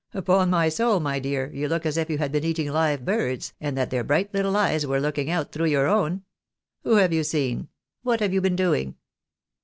Upon my soul, my dear, you look as if you had been eating hve birds, and that their bright little eyes were looking out, through your own. Who have you seen ?— what have you been doing